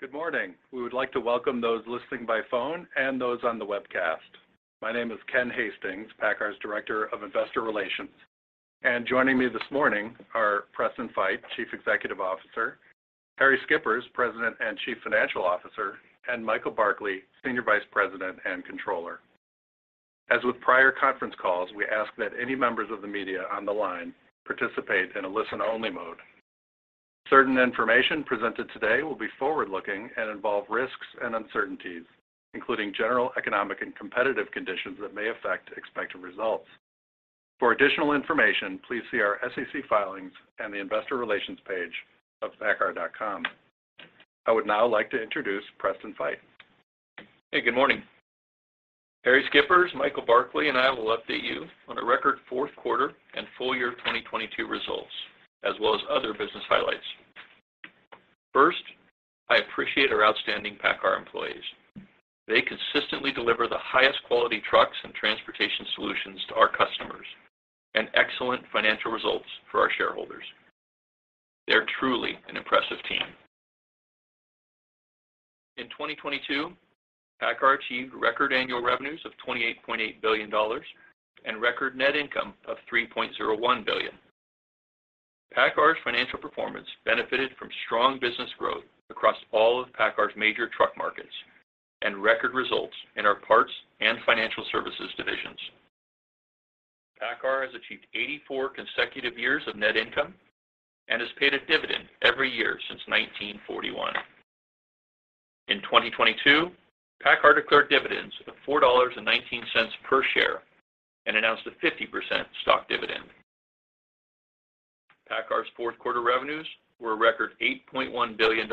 Good morning. We would like to welcome those listening by phone and those on the webcast. My name is Ken Hastings, PACCAR's Director of Investor Relations. Joining me this morning are Preston Feight, Chief Executive Officer, Harrie Schippers, President and Chief Financial Officer, and Michael Barkley, Senior Vice President and Controller. As with prior conference calls, we ask that any members of the media on the line participate in a listen-only mode. Certain information presented today will be forward-looking and involve risks and uncertainties, including general economic and competitive conditions that may affect expected results. For additional information, please see our SEC filings and the investor relations page of paccar.com. I would now like to introduce Preston Feight. Hey, good morning. Harrie Schippers, Michael Barkley, and I will update you on a record Q4 and full year 2022 results, as well as other business highlights. First, I appreciate our outstanding PACCAR employees. They consistently deliver the highest quality trucks and transportation solutions to our customers and excellent financial results for our shareholders. They're truly an impressive team. In 2022, PACCAR achieved record annual revenues of $28.8 billion and record net income of $3.01 billion. PACCAR's financial performance benefited from strong business growth across all of PACCAR's major truck markets and record results in our parts and financial services divisions. PACCAR has achieved 84 consecutive years of net income and has paid a dividend every year since 1941. In 2022, PACCAR declared dividends of $4.19 per share and announced a 50% stock dividend. PACCAR's Q4 revenues were a record $8.1 billion,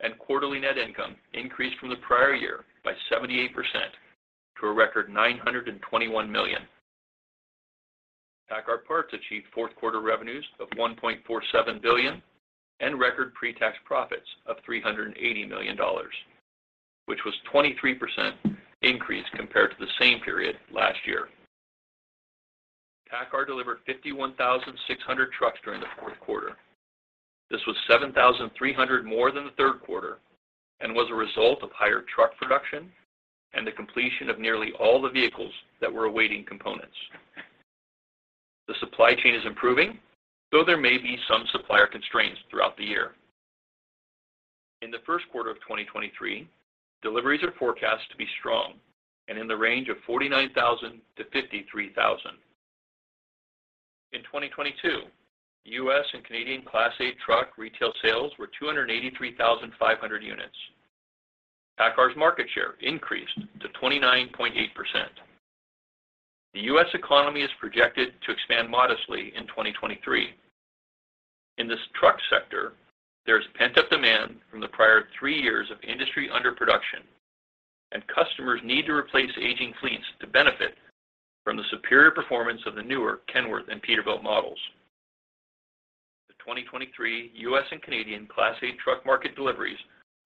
and quarterly net income increased from the prior year by 78% to a record $921 million. PACCAR Parts achieved Q4 revenues of $1.47 billion and record pre-tax profits of $380 million, which was 23% increase compared to the same period last year. PACCAR delivered 51,600 trucks during the Q4. This was 7,300 more than the Q3 and was a result of higher truck production and the completion of nearly all the vehicles that were awaiting components. The supply chain is improving, though there may be some supplier constraints throughout the year. In the Q1 of 2023, deliveries are forecast to be strong and in the range of 49,000-53,000. In 2022, U.S. and Canadian Class A truck retail sales were 283,500 units. PACCAR's market share increased to 29.8%. The U.S. economy is projected to expand modestly in 2023. In this truck sector, there's pent-up demand from the prior three years of industry under production, and customers need to replace aging fleets to benefit from the superior performance of the newer Kenworth and Peterbilt models. The 2023 U.S. and Canadian Class A truck market deliveries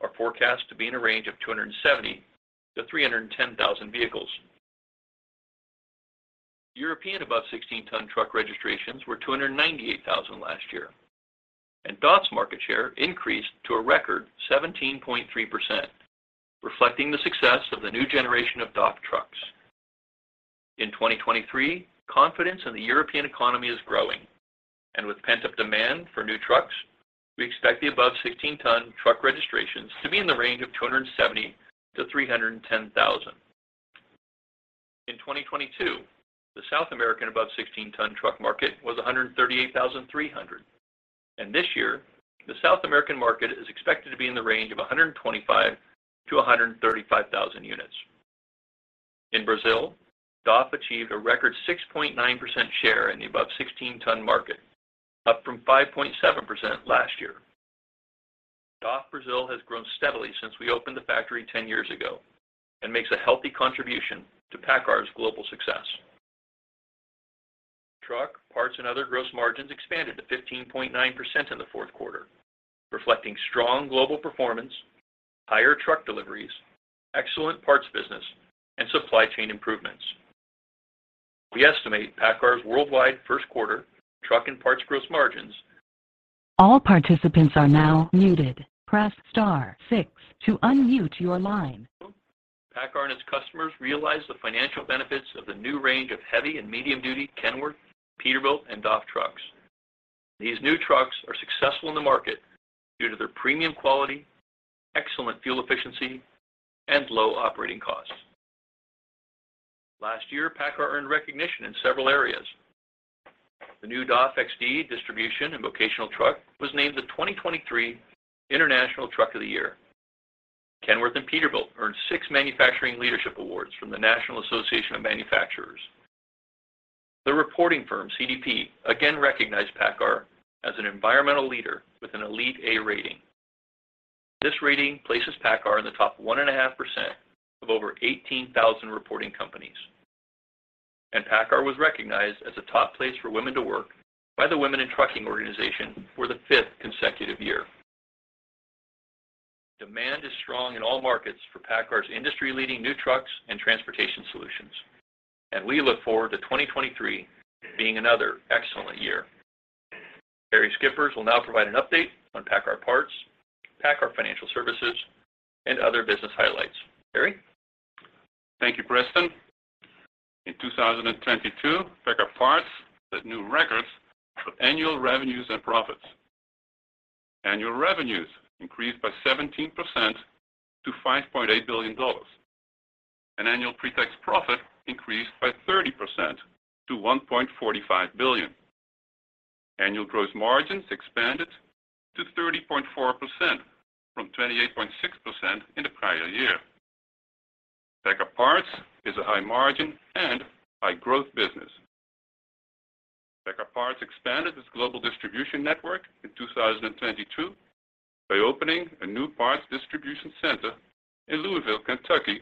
are forecast to be in a range of 270,000-310,000 vehicles. European above 16-tonne truck registrations were 298,000 last year, and DAF's market share increased to a record 17.3%, reflecting the success of the new generation of DAF trucks. In 2023, confidence in the European economy is growing. With pent-up demand for new trucks, we expect the above 16-tonne truck registrations to be in the range of 270,000-310,000. In 2022, the South American above 16-tonne truck market was 138,300. This year the South American market is expected to be in the range of 125,000-135,000 units. In Brazil, DAF achieved a record 6.9% share in the above 16-tonne market, up from 5.7% last year. DAF Brasil has grown steadily since we opened the factory 10 years ago and makes a healthy contribution to PACCAR's global success. Truck, parts, and other gross margins expanded to 15.9% in the Q4, reflecting strong global performance, higher truck deliveries, excellent parts business, and supply chain improvements. We estimate PACCAR's worldwide Q1 truck and parts gross margins. All participants are now muted. Press star six to unmute your line. PACCAR and its customers realize the financial benefits of the new range of heavy and medium duty Kenworth, Peterbilt, and DAF trucks. These new trucks are successful in the market due to their premium quality, excellent fuel efficiency, and low operating costs. Last year, PACCAR earned recognition in several areas. The new DAF XD distribution and vocational truck was named the 2023 International Truck of the Year. Kenworth and Peterbilt earned six manufacturing leadership awards from the National Association of Manufacturers. The reporting firm CDP again recognized PACCAR as an environmental leader with an elite A rating. This rating places PACCAR in the top 1.5% of over 18,000 reporting companies. PACCAR was recognized as a top place for women to work by the Women In Trucking organization for the fifth consecutive year. Demand is strong in all markets for PACCAR's industry-leading new trucks and transportation solutions. We look forward to 2023 being another excellent year. Harrie Schippers will now provide an update on PACCAR Parts, PACCAR Financial Services, and other business highlights. Harrie. Thank you, Preston. In 2022, PACCAR Parts set new records for annual revenues and profits. Annual revenues increased by 17% to $5.8 billion. Annual pretax profit increased by 30% to $1.45 billion. Annual gross margins expanded to 30.4% from 28.6% in the prior year. PACCAR Parts is a high margin and high growth business. PACCAR Parts expanded its global distribution network in 2022 by opening a new parts distribution center in Louisville, Kentucky,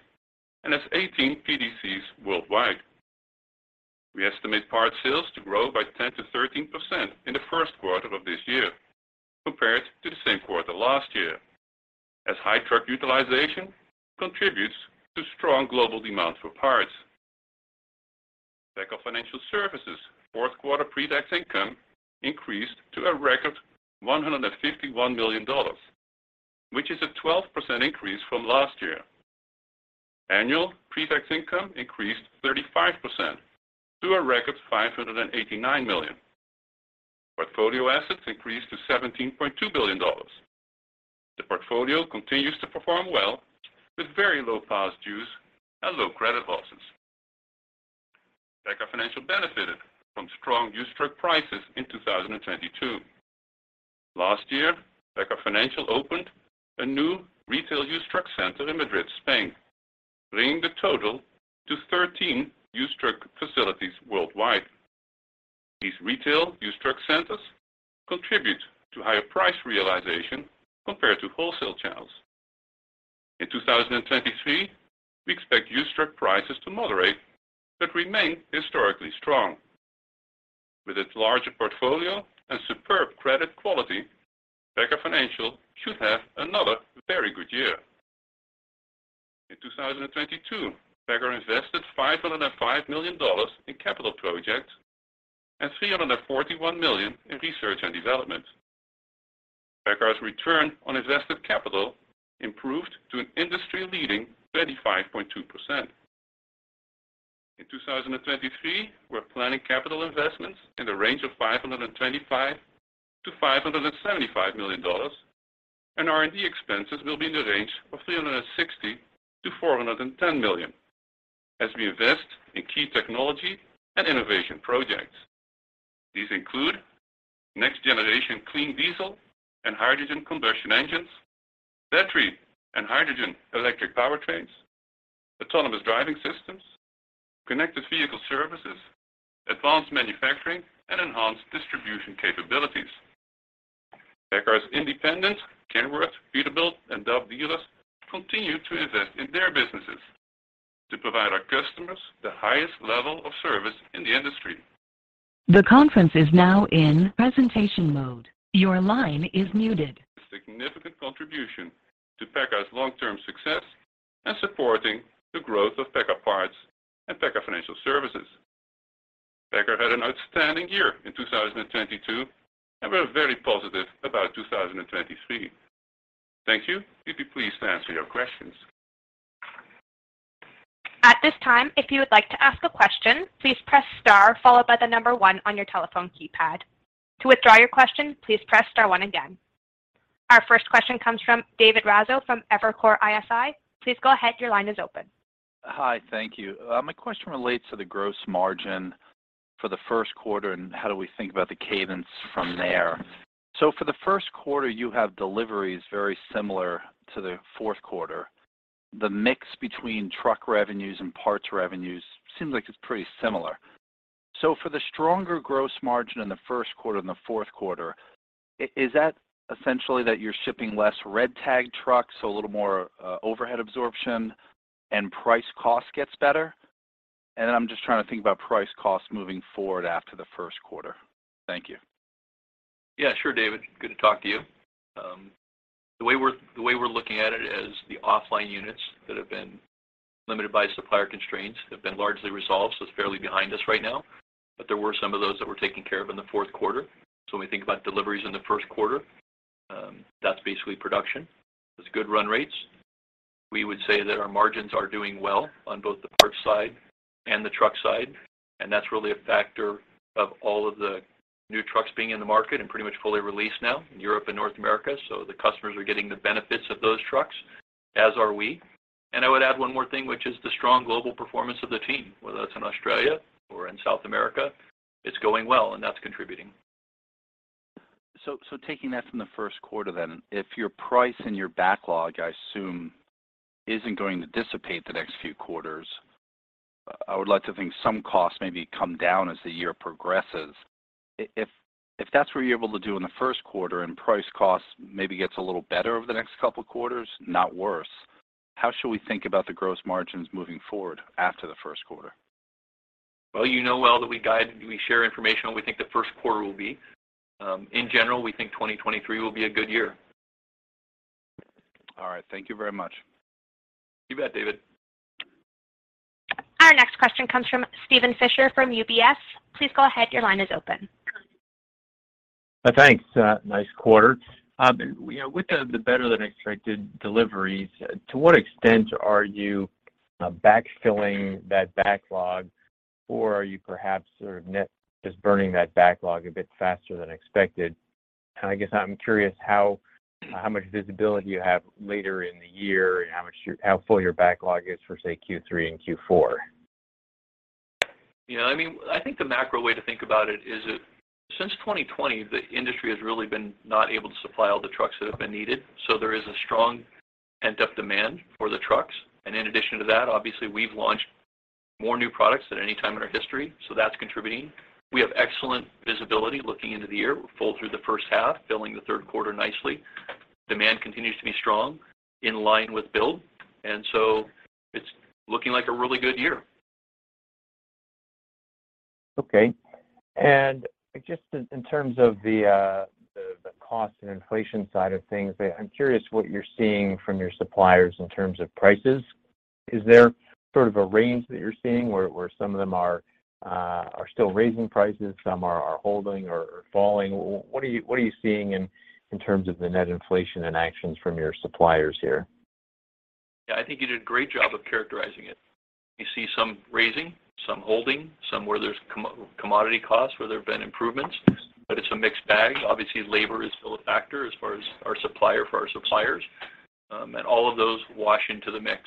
and has 18 PDCs worldwide. We estimate parts sales to grow by 10% to 13% in the Q1 of this year compared to the same quarter last year, as high truck utilization contributes to strong global demand for parts. PACCAR Financial Services Q4 pretax income increased to a record $151 million, which is a 12% increase from last year. Annual pretax income increased 35% to a record $589 million. Portfolio assets increased to $17.2 billion. The portfolio continues to perform well with very low past dues and low credit losses. PACCAR Financial benefited from strong used truck prices in 2022. Last year, PACCAR Financial opened a new retail used truck center in Madrid, Spain, bringing the total to 13 used truck facilities worldwide. These retail used truck centers contribute to higher price realization compared to wholesale channels. In 2023, we expect used truck prices to moderate but remain historically strong. With its larger portfolio and superb credit quality, PACCAR Financial should have another very good year. In 2022, PACCAR invested $505 million in capital projects and $341 million in research and development. PACCAR's return on invested capital improved to an industry-leading 35.2%. In 2023, we're planning capital investments in the range of $525 million-$575 million, and R&D expenses will be in the range of $360 million-$410 million as we invest in key technology and innovation projects. These include next generation clean diesel and hydrogen combustion engines, battery and hydrogen electric powertrains, autonomous driving systems, connected vehicle services, advanced manufacturing, and enhanced distribution capabilities. PACCAR's independent Kenworth, Peterbilt, and DAF dealers continue to invest in their businesses to provide our customers the highest level of service in the industry. The conference is now in presentation mode. Your line is muted. A significant contribution to PACCAR's long-term success and supporting the growth of PACCAR Parts and PACCAR Financial Services. PACCAR had an outstanding year in 2022, and we're very positive about 2023. Thank you. We'd be pleased to answer your questions. At this time, if you would like to ask a question, please press star followed by the number one on your telephone keypad. To withdraw your question, please press star one again. Our first question comes from David Raso from Evercore ISI. Please go ahead. Your line is open. Hi. Thank you. My question relates to the gross margin for the Q1 and how do we think about the cadence from there. For the Q1, you have deliveries very similar to the Q4. The mix between truck revenues and parts revenues seems like it's pretty similar. For the stronger gross margin in the Q1 and the Q4, is that essentially that you're shipping less red tag trucks, so a little more overhead absorption and price cost gets better? I'm just trying to think about price cost moving forward after the Q1. Thank you. Yeah. Sure, David. Good to talk to you. The way we're looking at it is the offline units that have been limited by supplier constraints have been largely resolved, so it's fairly behind us right now. There were some of those that were taken care of in the Q4. When we think about deliveries in the Q1, that's basically production. There's good run rates. We would say that our margins are doing well on both the parts side and the truck side, and that's really a factor of all of the new trucks being in the market and pretty much fully released now in Europe and North America. The customers are getting the benefits of those trucks, as are we. I would add one more thing, which is the strong global performance of the team, whether that's in Australia or in South America, it's going well, and that's contributing. Taking that from the Q1 then, if your price and your backlog, I assume, isn't going to dissipate the next few quarters, I would like to think some costs maybe come down as the year progresses. If that's what you're able to do in the Q1 and price cost maybe gets a little better over the next couple of quarters, not worse, how should we think about the gross margins moving forward after the Q1? Well, you know well that we share information on we think the Q1 will be. In general, we think 2023 will be a good year. All right. Thank you very much. You bet, David. Our next question comes from Steven Fisher from UBS. Please go ahead. Your line is open. Thanks. Nice quarter. You know, with the better than expected deliveries, to what extent are you, backfilling that backlog, or are you perhaps sort of net just burning that backlog a bit faster than expected? I guess I'm curious how much visibility you have later in the year and how full your backlog is for, say, Q3 and Q4. You know, I mean, I think the macro way to think about it is that since 2020, the industry has really been not able to supply all the trucks that have been needed. There is a strong pent-up demand for the trucks. In addition to that, obviously, we've launched more new products than any time in our history, so that's contributing. We have excellent visibility looking into the year. We're full through the first half, filling the Q3 nicely. Demand continues to be strong in line with build, and so it's looking like a really good year. Okay. Just in terms of the cost and inflation side of things, I'm curious what you're seeing from your suppliers in terms of prices. Is there sort of a range that you're seeing where some of them are still raising prices, some are holding or falling? What are you seeing in terms of the net inflation and actions from your suppliers here? Yeah, I think you did a great job of characterizing it. You see some raising, some holding, some where there's commodity costs where there have been improvements, but it's a mixed bag. Obviously, labor is still a factor as far as our supplier for our suppliers, and all of those wash into the mix.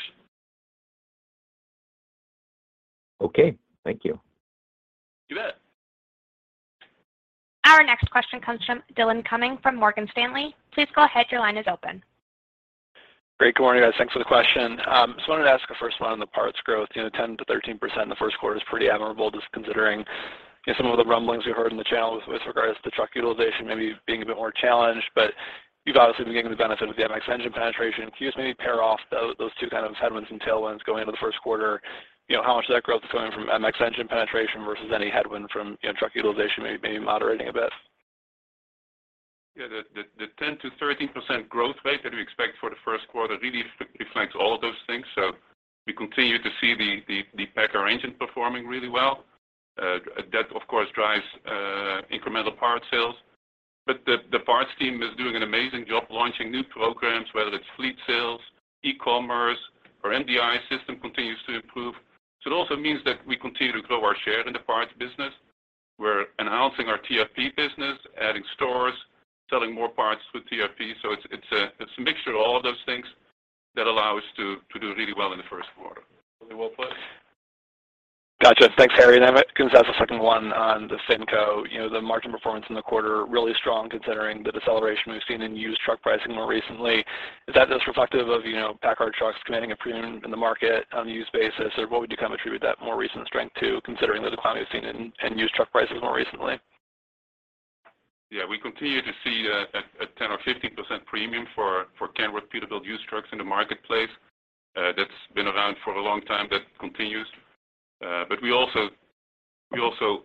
Okay. Thank you. You bet. Our next question comes from Dillon Cumming from Morgan Stanley. Please go ahead. Your line is open. Great. Good morning, guys. Thanks for the question. Just wanted to ask a first one on the parts growth. You know, 10% to 13% in the Q1 is pretty admirable, just considering, you know, some of the rumblings we heard in the channel with regards to truck utilization maybe being a bit more challenged. But you've obviously been getting the benefit of the MX engine penetration. Can you just maybe pair off those two kind of headwinds and tailwinds going into the Q1? You know, how much of that growth is coming from MX engine penetration versus any headwind from, you know, truck utilization maybe moderating a bit? The 10% to 13% growth rate that we expect for the Q1 really reflects all of those things. We continue to see the PACCAR engine performing really well. That of course drives incremental parts sales. The parts team is doing an amazing job launching new programs, whether it's fleet sales, e-commerce, our MDI system continues to improve. It also means that we continue to grow our share in the parts business. We're enhancing our TRP business, adding stores, selling more parts with TRP. It's a mixture of all of those things that allow us to do really well in the Q1. Really well put. Gotcha. Thanks, Harrie and Michael. I guess that's the second one on the FinCo. You know, the margin performance in the quarter really strong considering the deceleration we've seen in used truck pricing more recently. Is that just reflective of, you know, PACCAR trucks commanding a premium in the market on a used basis? Or what would you kind of attribute that more recent strength to, considering the decline we've seen in used truck prices more recently? Yeah, we continue to see a 10% or 15% premium for Kenworth reputable used trucks in the marketplace. That's been around for a long time. That continues. We also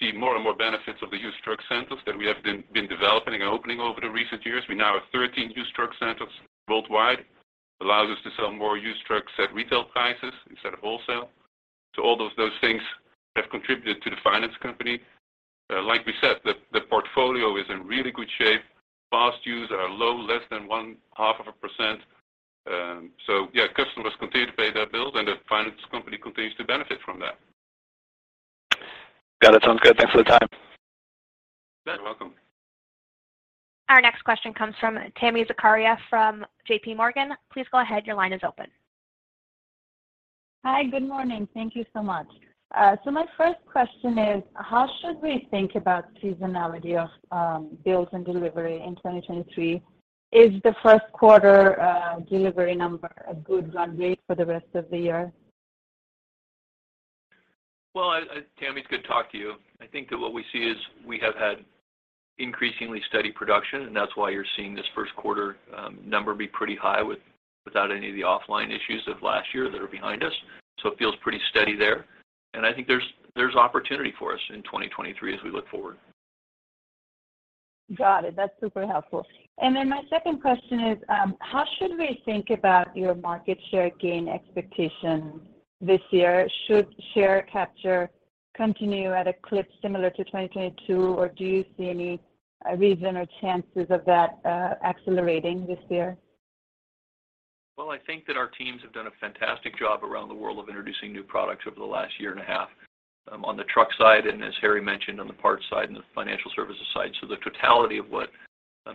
see more and more benefits of the used truck centers that we have been developing and opening over the recent years. We now have 13 used truck centers worldwide. Allows us to sell more used trucks at retail prices instead of wholesale. All those things have contributed to the Finance Company. Like we said, the portfolio is in really good shape. Past dues are low, less than one-half of a percent. Yeah, customers continue to pay their bills, and the Finance Company continues to benefit from that. Got it. Sounds good. Thanks for the time. You're welcome. Our next question comes from Tami Zakaria from JPMorgan. Please go ahead. Your line is open. Hi. Good morning. Thank you so much. My first question is, how should we think about seasonality of builds and delivery in 2023? Is the Q1 delivery number a good run rate for the rest of the year? Well, Tami, it's good to talk to you. I think that what we see is we have had increasingly steady production, and that's why you're seeing this Q1 number be pretty high without any of the offline issues of last year that are behind us. It feels pretty steady there. I think there's opportunity for us in 2023 as we look forward. Got it. That's super helpful. My second question is, how should we think about your market share gain expectations this year? Should share capture continue at a clip similar to 2022, or do you see any reason or chances of that accelerating this year? Well, I think that our teams have done a fantastic job around the world of introducing new products over the last year and a half, on the truck side, and as Harrie mentioned, on the parts side and the financial services side. The totality of what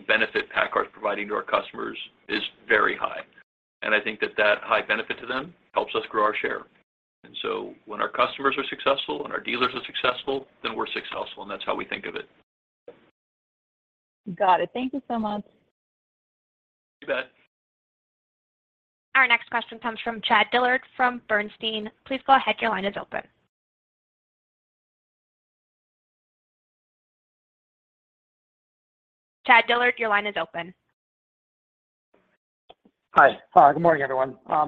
benefit PACCAR is providing to our customers is very high. I think that that high benefit to them helps us grow our share. When our customers are successful and our dealers are successful, then we're successful, and that's how we think of it. Got it. Thank you so much. You bet. Our next question comes from Chad Dillard from Bernstein. Please go ahead. Your line is open. Chad Dillard, your line is open. Hi. Good morning, everyone. I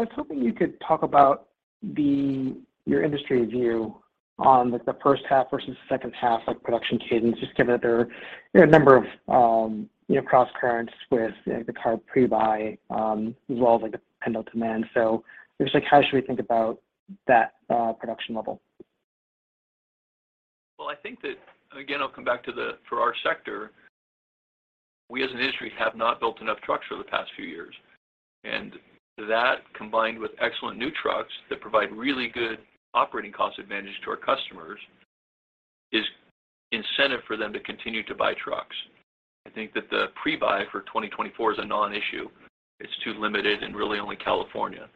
was hoping you could talk about your industry view on like the first half versus second half, like production cadence, just given that there are a number of, you know, crosscurrents with the CARB pre-buy, as well as like the pendant demand. Just like how should we think about that production level? Well, I think that, again, I'll come back to the for our sector, we as an industry have not built enough trucks for the past few years. That combined with excellent new trucks that provide really good operating cost advantage to our customers is incentive for them to continue to buy trucks. I think that the pre-buy for 2024 is a non-issue. It's too limited in really only California.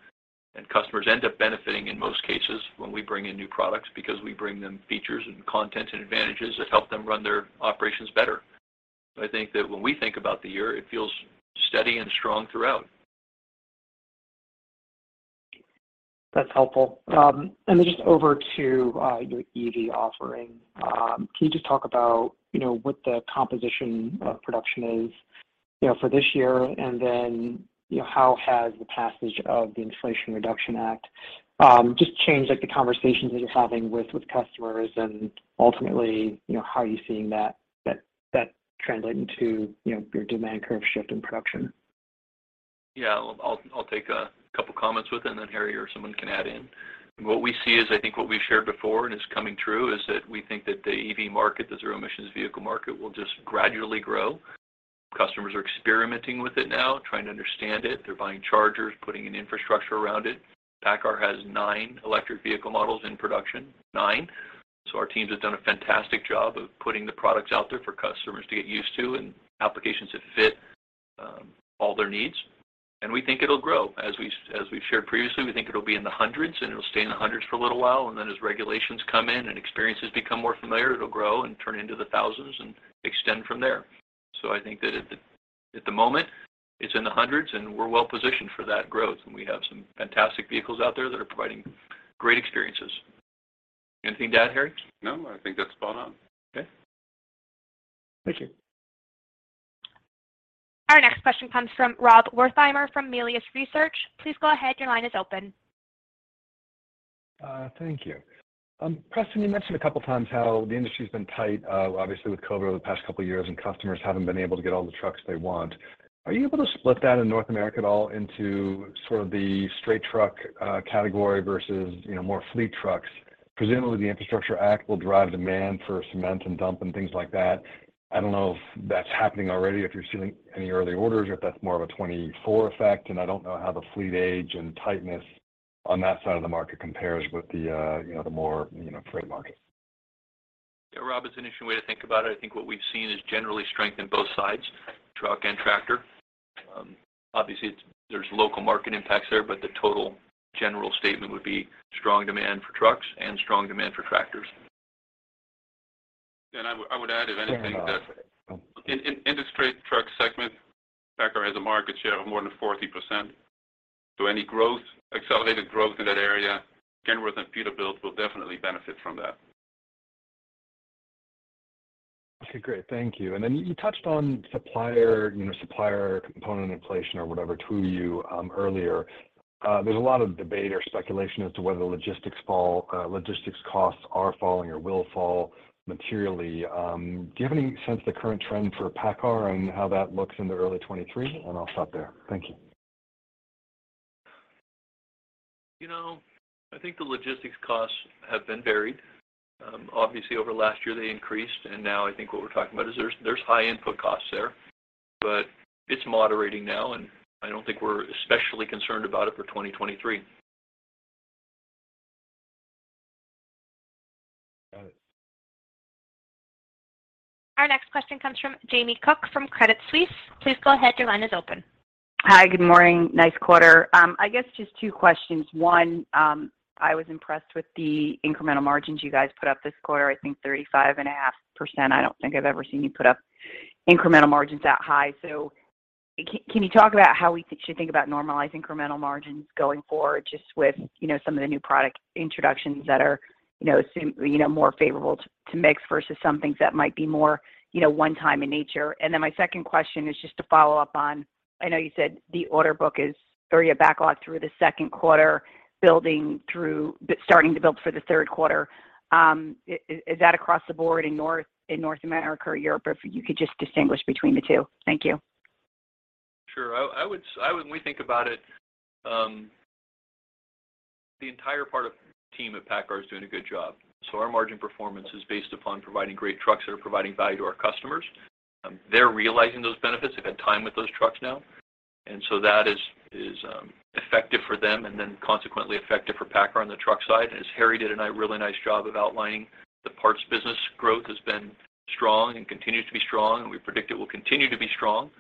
Customers end up benefiting in most cases when we bring in new products because we bring them features and content and advantages that help them run their operations better. I think that when we think about the year, it feels steady and strong throughout. That's helpful. Just over to your EV offering. Can you just talk about, you know, what the composition of production is, you know, for this year? You know, how has the passage of the Inflation Reduction Act just changed like the conversations that you're having with customers and ultimately, you know, how are you seeing that translate into, you know, your demand curve shift in production? Yeah. I'll take a couple of comments with it, and then Harrie or someone can add in. What we see is I think what we've shared before and is coming true is that we think that the EV market, the zero emissions vehicle market, will just gradually grow. Customers are experimenting with it now, trying to understand it. They're buying chargers, putting an infrastructure around it. PACCAR has 9 electric vehicle models in production. 9. So our teams have done a fantastic job of putting the products out there for customers to get used to and applications that fit all their needs. We think it'll grow. As we've shared previously, we think it'll be in the hundreds, and it'll stay in the hundreds for a little while. As regulations come in and experiences become more familiar, it'll grow and turn into the thousands and extend from there. I think that at the moment, it's in the hundreds, and we're well positioned for that growth. We have some fantastic vehicles out there that are providing great experiences. Anything to add, Harrie? No, I think that's spot on. Okay. Thank you. Our next question comes from Rob Wertheimer from Melius Research. Please go ahead. Your line is open. Thank you. Preston, you mentioned a couple times how the industry has been tight, obviously with COVID over the past couple of years, and customers haven't been able to get all the trucks they want. Are you able to split that in North America at all into sort of the straight truck, category versus, more fleet trucks? Presumably, the Infrastructure Act will drive demand for cement and dump and things like that. I don't know if that's happening already, if you're seeing any early orders or if that's more of a 24 effect. I don't know how the fleet age and tightness on that side of the market compares with the, more, freight market. Yeah, Rob, it's an interesting way to think about it. I think what we've seen is generally strength in both sides, truck and tractor. Obviously, there's local market impacts there, but the total general statement would be strong demand for trucks and strong demand for tractors. I would add, if anything, that in industry truck segment, PACCAR has a market share of more than 40%. Any growth, accelerated growth in that area, Kenworth and Peterbilt will definitely benefit from that. Okay, great. Thank you. Then you touched on supplier, you know, supplier component inflation or whatever to you, earlier. There's a lot of debate or speculation as to whether the logistics costs are falling or will fall materially. Do you have any sense of the current trend for PACCAR and how that looks in the early 2023? I'll stop there. Thank you. You know, I think the logistics costs have been varied. Obviously, over last year, they increased. Now I think what we're talking about is there's high input costs there, but it's moderating now, and I don't think we're especially concerned about it for 2023. Got it. Our next question comes from Jamie Cook from Credit Suisse. Please go ahead. Your line is open. Hi. Good morning. Nice quarter. I guess just two questions. One, I was impressed with the incremental margins you guys put up this quarter. I think 35.5%. I don't think I've ever seen you put up incremental margins that high. Can you talk about how we should think about normalized incremental margins going forward just with, you know, some of the new product introductions that are, you know, seem, you know, more favorable to mix versus some things that might be more, you know, one-time in nature? My second question is just to follow up on, I know you said the order book is 30 a backlog through the Q2, but starting to build for the Q3. Is that across the board in North America or Europe? If you could just distinguish between the two. Thank you. Sure. I would, when we think about it, the entire part of team at PACCAR is doing a good job. Our margin performance is based upon providing great trucks that are providing value to our customers. They're realizing those benefits. They've had time with those trucks now. That is effective for them and then consequently effective for PACCAR on the truck side. As Harrie did a really nice job of outlining the parts business growth has been strong and continues to be strong, and we predict it will continue to be strong.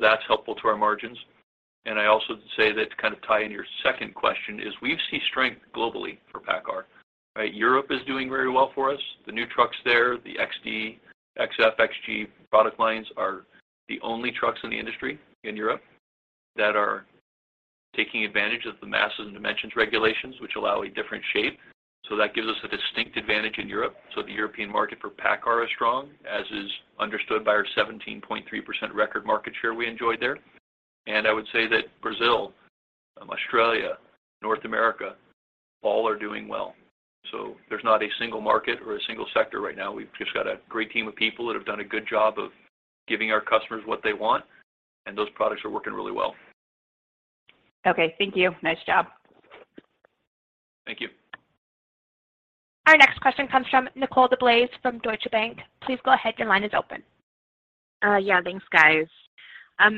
That's helpful to our margins. I also say that to kind of tie in your second question is we see strength globally for PACCAR, right? Europe is doing very well for us. The new trucks there, the XD, XF, XG product lines are the only trucks in the industry in Europe that are taking advantage of the masses and dimensions regulations, which allow a different shape. That gives us a distinct advantage in Europe. The European market for PACCAR is strong, as is understood by our 17.3% record market share we enjoyed there. I would say that Brazil, Australia, North America, all are doing well. There's not a single market or a single sector right now. We've just got a great team of people that have done a good job of giving our customers what they want, and those products are working really well. Okay. Thank you. Nice job. Thank you. Our next question comes from Nicole DeBlase from Deutsche Bank. Please go ahead. Your line is open. Yeah, thanks, guys.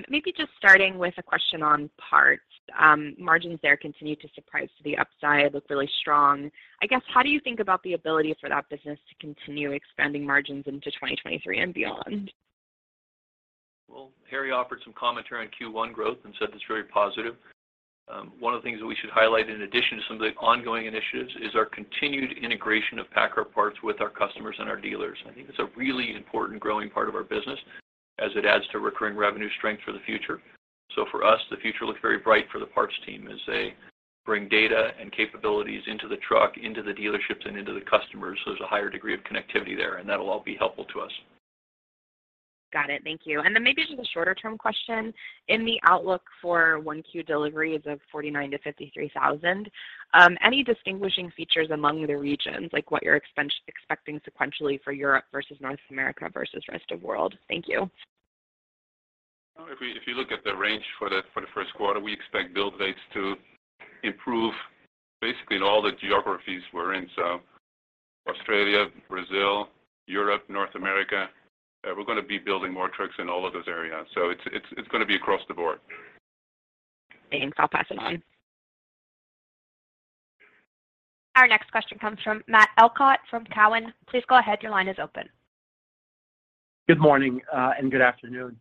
Maybe just starting with a question on parts. Margins there continue to surprise to the upside, look really strong. I guess, how do you think about the ability for that business to continue expanding margins into 2023 and beyond? Well, Harrie offered some commentary on Q1 growth and said it's very positive. One of the things that we should highlight in addition to some of the ongoing initiatives is our continued integration of PACCAR Parts with our customers and our dealers. I think it's a really important growing part of our business as it adds to recurring revenue strength for the future. For us, the future looks very bright for the Parts team as they bring data and capabilities into the truck, into the dealerships, and into the customers, so there's a higher degree of connectivity there, and that'll all be helpful to us. Got it. Thank you. Maybe just a shorter-term question. In the outlook for 1Q deliveries of 49,000-53,000, any distinguishing features among the regions, like what you're expecting sequentially for Europe versus North America versus Rest of World? Thank you. If you look at the range for the Q1, we expect build rates to improve basically in all the geographies we're in. Australia, Brazil, Europe, North America, we're gonna be building more trucks in all of those areas. It's gonna be across the board. Thanks. I'll pass it on. Our next question comes from Matt Elkott from Cowen. Please go ahead. Your line is open. Good morning, and good afternoon.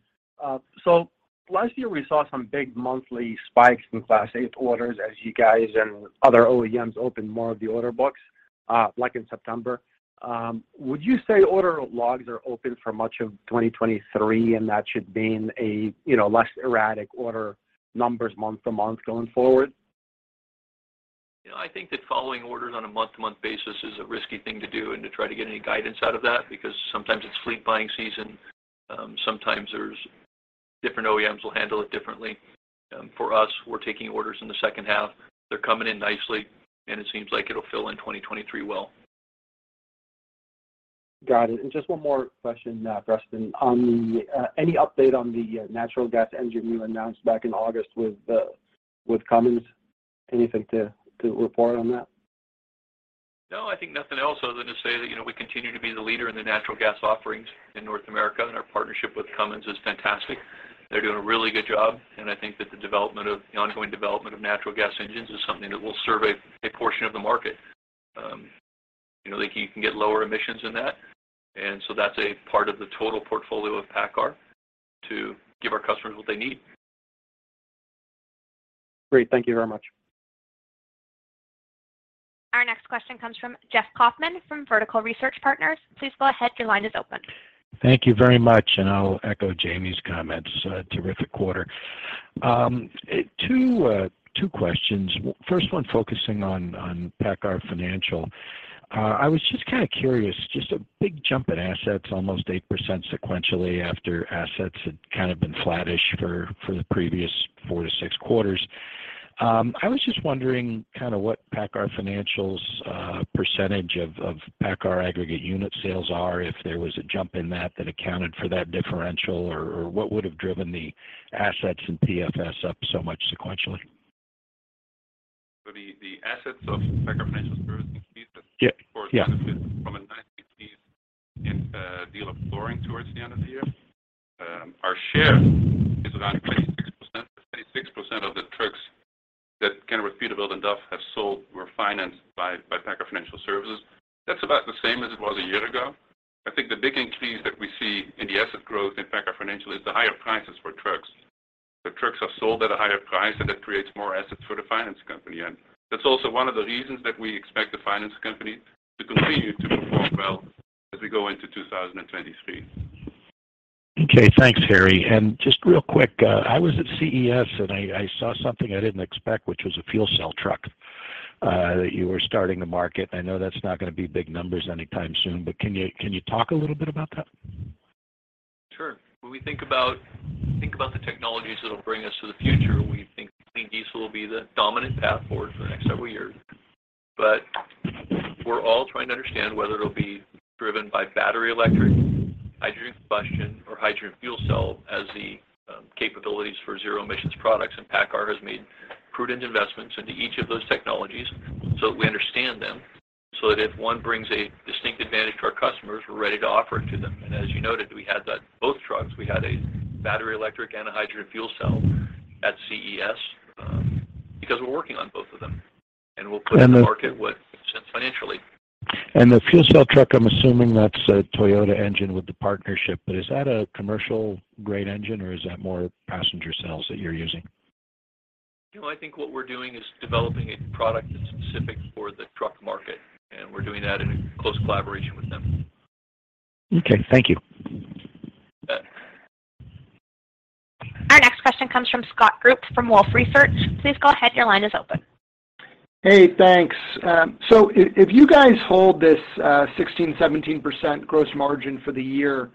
Last year we saw some big monthly spikes in Class eight orders as you guys and other OEMs opened more of the order books, like in September. Would you say order logs are open for much of 2023, and that should mean a, you know, less erratic order numbers month to month going forward? You know, I think that following orders on a month-to-month basis is a risky thing to do and to try to get any guidance out of that because sometimes it's fleet buying season, sometimes there's different OEMs will handle it differently. For us, we're taking orders in the second half. They're coming in nicely, and it seems like it'll fill in 2023 well. Got it. Just one more question, Preston. On the any update on the natural gas engine you announced back in August with Cummins? Anything to report on that? I think nothing else other than to say that, you know, we continue to be the leader in the natural gas offerings in North America, and our partnership with Cummins is fantastic. They're doing a really good job, and I think that the ongoing development of natural gas engines is something that will serve a portion of the market. You know, you can get lower emissions in that. That's a part of the total portfolio of PACCAR to give our customers what they need. Great. Thank you very much. Our next question comes from Jeff Kauffman from Vertical Research Partners. Please go ahead. Your line is open. Thank you very much. I'll echo Jamie's comments. Terrific quarter. Two questions. First one focusing on PACCAR Financial. I was just kinda curious, just a big jump in assets, almost 8% sequentially after assets had kind of been flattish for the previous Q4 to Q6. I was just wondering kinda what PACCAR Financial's percentage of PACCAR aggregate unit sales are if there was a jump in that that accounted for that differential or what would have driven the assets and PFS up so much sequentially? The assets of PACCAR Financial Services increased. Yeah, yeah... from a nice increase in deal of flooring towards the end of the year. Our share is around 26%. 26% of the trucks that Kenworth, Peterbilt, and DAF have sold were financed by PACCAR Financial Services. That's about the same as it was a year ago. I think the big increase that we see in the asset growth in PACCAR Financial is the higher prices for trucks. The trucks have sold at a higher price, and that creates more assets for the finance company. That's also one of the reasons that we expect the finance company to continue to perform well as we go into 2023. Okay. Thanks, Harrie. Just real quick, I was at CES and I saw something I didn't expect, which was a fuel cell truck that you were starting to market. I know that's not gonna be big numbers anytime soon, can you talk a little bit about that? Sure. When we think about the technologies that'll bring us to the future, we think clean diesel will be the dominant path forward for the next several years. We're all trying to understand whether it'll be driven by battery electric, hydrogen combustion, or hydrogen fuel cell as the capabilities for zero emissions products. PACCAR has made prudent investments into each of those technologies so that we understand them, so that if one brings a distinct advantage to our customers, we're ready to offer it to them. As you noted, we had that both trucks. We had a battery electric and a hydrogen fuel cell at CES because we're working on both of them. We'll put in the market what makes sense financially. The fuel cell truck, I'm assuming that's a Toyota engine with the partnership, but is that a commercial-grade engine or is that more passenger cells that you're using? You know, I think what we're doing is developing a product that's specific for the truck market. We're doing that in close collaboration with them. Okay. Thank you. You bet. Our next question comes from Scott Group from Wolfe Research. Please go ahead. Your line is open. Hey, thanks. If you guys hold this 16%, 17% gross margin for the year,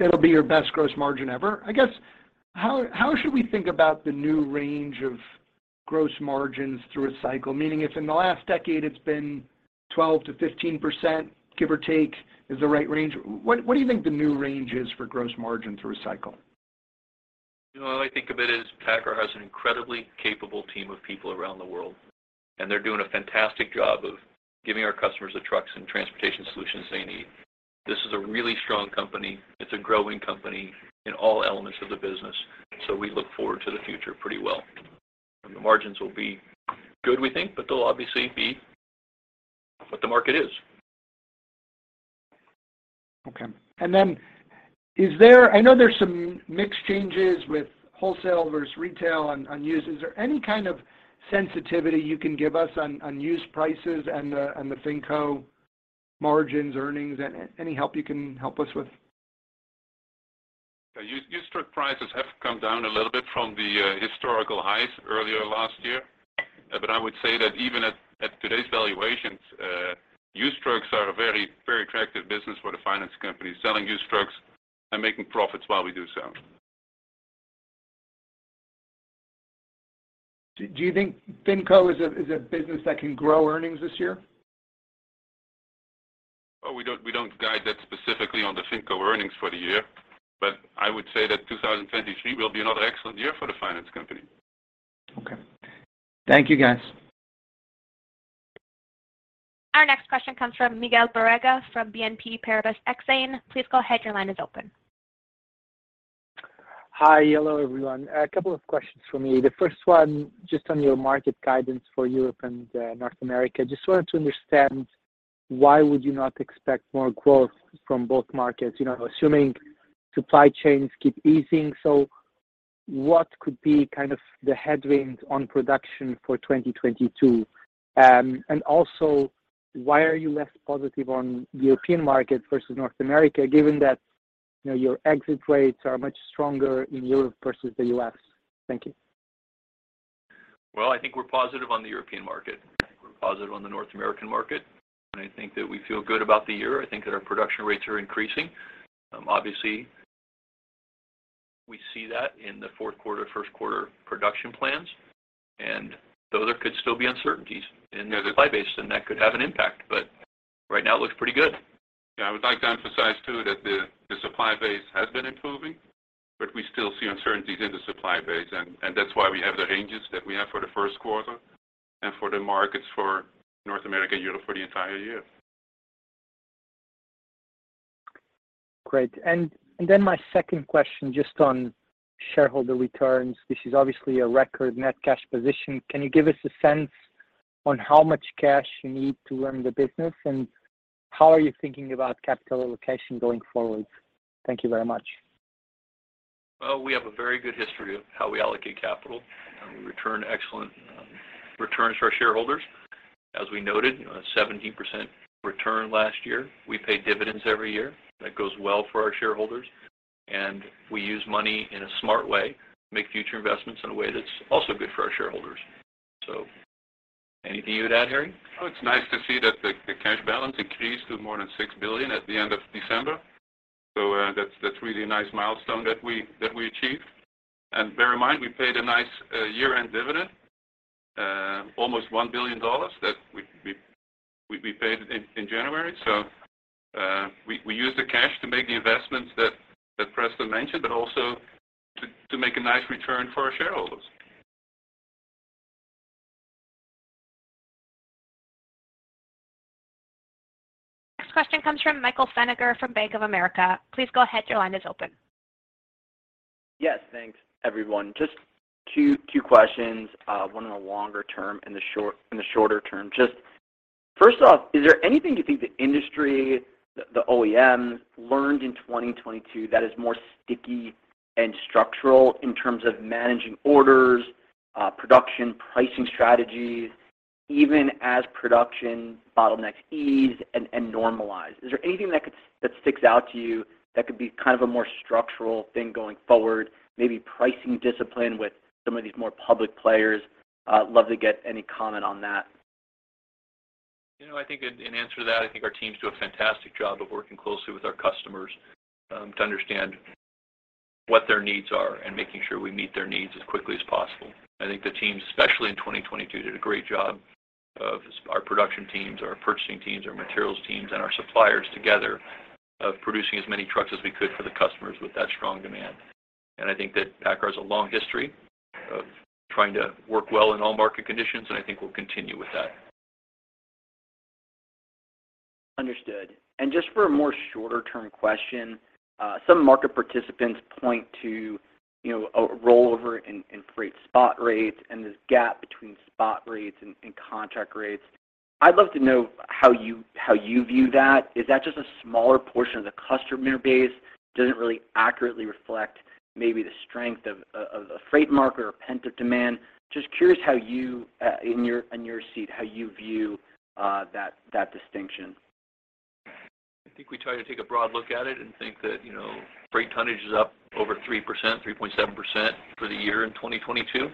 it'll be your best gross margin ever. I guess how should we think about the new range of gross margins through a cycle? Meaning, if in the last decade it's been 12% to 15% give or take is the right range, what do you think the new range is for gross margin through a cycle? You know, all I think of it is PACCAR has an incredibly capable team of people around the world, and they're doing a fantastic job of giving our customers the trucks and transportation solutions they need. This is a really strong company. It's a growing company in all elements of the business, so we look forward to the future pretty well. The margins will be good, we think, but they'll obviously be what the market is. Okay. I know there's some mix changes with wholesale versus retail on used. Is there any kind of sensitivity you can give us on used prices and the FinCo margins, earnings? Any help you can help us with? Yeah. Used truck prices have come down a little bit from the historical highs earlier last year. I would say that even at today's valuations, used trucks are a very, very attractive business for the Finance Company. Selling used trucks and making profits while we do so. Do you think FinCo is a business that can grow earnings this year? Well, we don't guide that specifically on the FinCo earnings for the year, I would say that 2023 will be another excellent year for the finance company. Okay. Thank you, guys. Our next question comes from Miguel Borrega from BNP Paribas Exane. Please go ahead. Your line is open. Hi. Hello, everyone. A couple of questions from me. The first one, just on your market guidance for Europe and North America. Just wanted to understand why would you not expect more growth from both markets? You know, assuming supply chains keep easing. What could be kind of the headwinds on production for 2022? Why are you less positive on the European market versus North America, given that, you know, your exit rates are much stronger in Europe versus the U.S.? Thank you. Well, I think we're positive on the European market. I think we're positive on the North American market, and I think that we feel good about the year. I think that our production rates are increasing. Obviously we see that in the Q4, Q1 production plans. Though there could still be uncertainties in their supply base, and that could have an impact, but right now it looks pretty good. Yeah. I would like to emphasize too that the supply base has been improving, but we still see uncertainties in the supply base. That's why we have the ranges that we have for the Q1 and for the markets for North America and Europe for the entire year. Great. My second question, just on shareholder returns. This is obviously a record net cash position. Can you give us a sense on how much cash you need to run the business, and how are you thinking about capital allocation going forward? Thank you very much. Well, we have a very good history of how we allocate capital. We return excellent returns to our shareholders. As we noted, you know, a 17% return last year. We pay dividends every year. That goes well for our shareholders. We use money in a smart way to make future investments in a way that's also good for our shareholders. Anything you would add, Harrie? Oh, it's nice to see that the cash balance increased to more than $6 billion at the end of December. That's really a nice milestone that we achieved. Bear in mind, we paid a nice year-end dividend, almost $1 billion that we paid in January. We used the cash to make the investments that Preston mentioned, but also to make a nice return for our shareholders. Next question comes from Michael Feniger from Bank of America. Please go ahead. Your line is open. Yes. Thanks, everyone. Just two questions, one on a longer term and in the shorter term. Just first off, is there anything you think the industry, the OEMs learned in 2022 that is more sticky and structural in terms of managing orders, production, pricing strategies, even as production bottlenecks ease and normalize? Is there anything that sticks out to you that could be kind of a more structural thing going forward, maybe pricing discipline with some of these more public players? Love to get any comment on that. You know, I think in answer to that, I think our teams do a fantastic job of working closely with our customers, to understand what their needs are and making sure we meet their needs as quickly as possible. I think the teams, especially in 2022, did a great job of our production teams, our purchasing teams, our materials teams, and our suppliers together of producing as many trucks as we could for the customers with that strong demand. I think that PACCAR has a long history of trying to work well in all market conditions, and I think we'll continue with that. Understood. Just for a more shorter-term question, some market participants point to, you know, a rollover in freight spot rates and contract rates. I'd love to know how you view that. Is that just a smaller portion of the customer base that doesn't really accurately reflect maybe the strength of the freight market or pent-up demand? Just curious how you, on your seat, how you view that distinction. I think we try to take a broad look at it and think that, you know, freight tonnage is up over 3%, 3.7% for the year in 2022,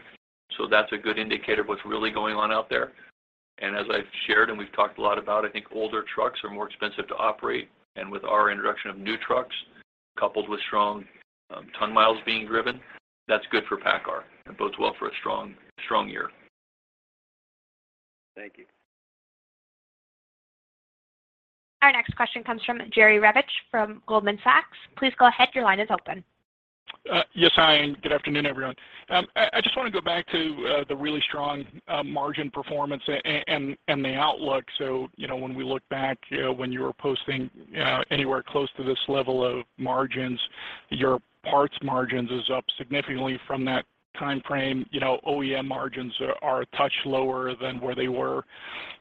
that's a good indicator of what's really going on out there. As I've shared and we've talked a lot about, I think older trucks are more expensive to operate. With our introduction of new trucks, coupled with strong, ton miles being driven, that's good for PACCAR and bodes well for a strong year. Thank you. Our next question comes from Jerry Revich from Goldman Sachs. Please go ahead, your line is open. Yes, hi, and good afternoon, everyone. I just want to go back to the really strong margin performance and the outlook. You know, when we look back, you know, when you were posting, you know, anywhere close to this level of margins, your parts margins is up significantly from that time frame. You know, OEM margins are a touch lower than where they were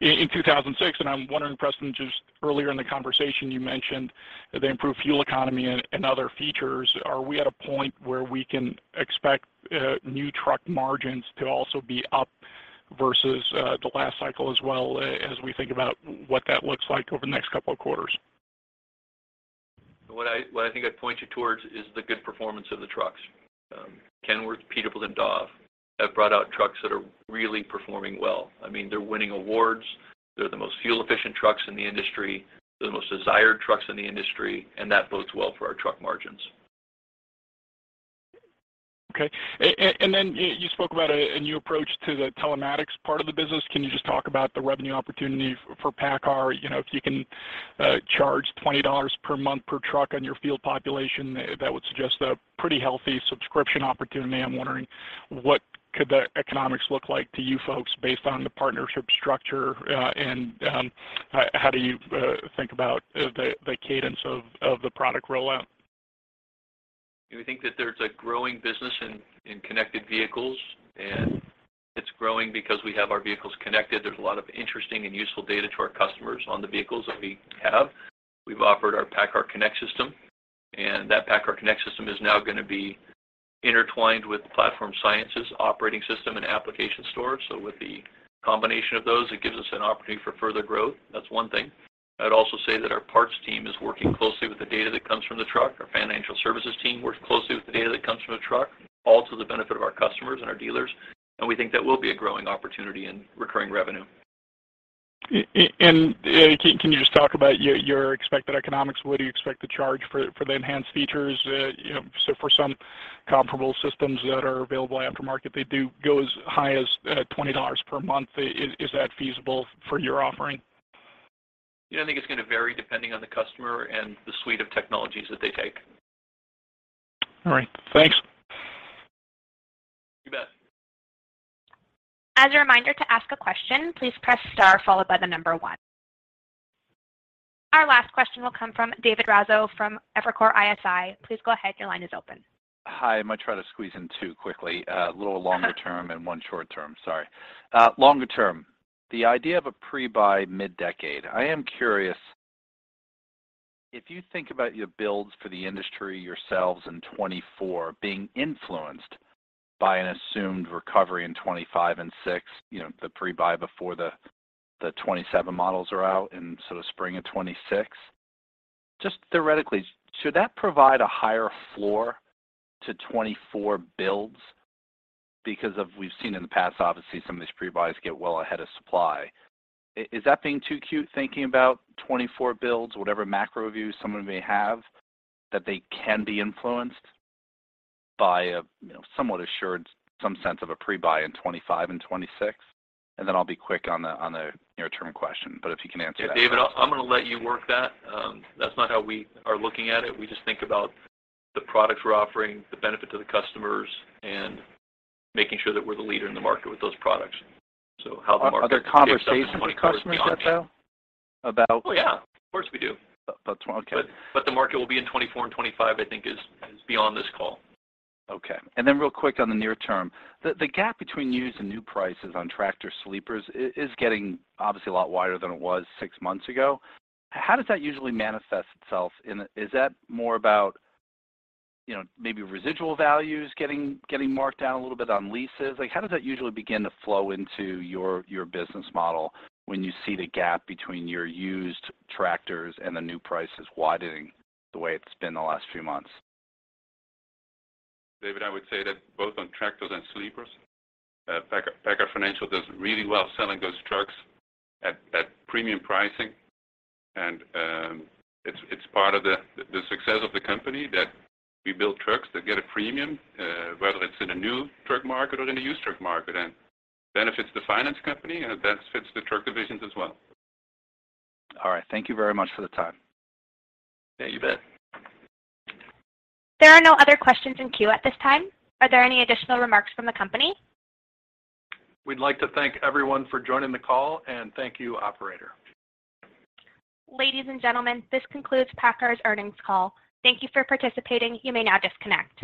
in 2006. I'm wondering, Preston, just earlier in the conversation, you mentioned the improved fuel economy and other features. Are we at a point where we can expect new truck margins to also be up versus the last cycle as well, as we think about what that looks like over the next couple of quarters? What I think I'd point you towards is the good performance of the trucks. Kenworth, Peterbilt, and DAF have brought out trucks that are really performing well. I mean, they're winning awards, they're the most fuel-efficient trucks in the industry, they're the most desired trucks in the industry, and that bodes well for our truck margins. Okay. Then you spoke about a new approach to the telematics part of the business. Can you just talk about the revenue opportunity for PACCAR? You know, if you can charge $20 per month per truck on your field population, that would suggest a pretty healthy subscription opportunity. I'm wondering what could the economics look like to you folks based on the partnership structure, and, how do you think about the cadence of the product rollout? We think that there's a growing business in connected vehicles, and it's growing because we have our vehicles connected. There's a lot of interesting and useful data to our customers on the vehicles that we have. We've offered our PACCAR Connect system, and that PACCAR Connect system is now going to be intertwined with Platform Science operating system and application store. With the combination of those, it gives us an opportunity for further growth. That's one thing. I'd also say that our parts team is working closely with the data that comes from the truck. Our financial services team works closely with the data that comes from the truck, all to the benefit of our customers and our dealers, and we think that will be a growing opportunity in recurring revenue. Can you just talk about your expected economics? What do you expect to charge for the enhanced features? You know, so for some comparable systems that are available aftermarket, they do go as high as $20 per month. Is that feasible for your offering? Yeah, I think it's going to vary depending on the customer and the suite of technologies that they take. All right. Thanks. You bet. As a reminder to ask a question, please press star followed by the number one. Our last question will come from David Raso from Evercore ISI. Please go ahead, your line is open. Hi. I'm going to try to squeeze in two quickly. A little longer term and one short term. Sorry. Longer term, the idea of a pre-buy mid-decade. I am curious, if you think about your builds for the industry yourselves in 2024 being influenced by an assumed recovery in 2025 and 2026, you know, the pre-buy before the 2027 models are out in sort of spring of 2026. Just theoretically, should that provide a higher floor to 2024 builds? Because we've seen in the past, obviously, some of these pre-buys get well ahead of supply. Is that being too cute thinking about 2024 builds, whatever macro view someone may have, that they can be influenced by a, you know, somewhat assured some sense of a pre-buy in 2025 and 2026? I'll be quick on the near-term question, but if you can answer that first. Yeah, David, I'm going to let you work that. That's not how we are looking at it. We just think about the products we're offering, the benefit to the customers, and making sure that we're the leader in the market with those products. How the market shakes up from a pre-buy perspective. Are there conversations with customers yet, though, about- Oh, yeah, of course we do. That's okay. The market will be in 2024 and 2025, I think is beyond this call. Okay. Real quick on the near term. The gap between used and new prices on tractor-sleepers is getting obviously a lot wider than it was six months ago. How does that usually manifest itself? Is that more about, you know, maybe residual values getting marked down a little bit on leases? Like, how does that usually begin to flow into your business model when you see the gap between your used tractors and the new prices widening the way it's been the last few months? David, I would say that both on tractors and sleepers, Paccar Financial does really well selling those trucks at premium pricing. It's part of the success of the company that we build trucks that get a premium, whether it's in a new truck market or in a used truck market. Benefits the finance company, and it benefits the truck divisions as well. All right. Thank you very much for the time. Yeah, you bet. There are no other questions in queue at this time. Are there any additional remarks from the company? We'd like to thank everyone for joining the call, and thank you, operator. Ladies and gentlemen, this concludes PACCAR's earnings call. Thank you for participating. You may now disconnect.